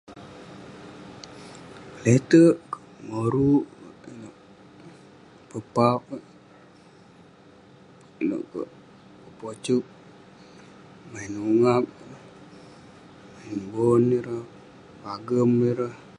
Keteik moruk pepauk kek ineuk kek pojuk main ugam main bon ireh pagem ireh